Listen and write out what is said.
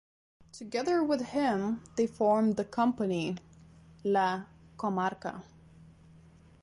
Together with him they formed the company "La comarca".